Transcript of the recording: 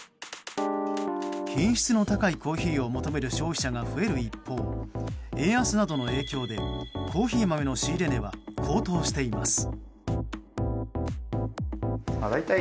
品質の高いコーヒーを求める消費者が増える一方円安などの影響で、コーヒー豆の仕入れ値は高騰しています。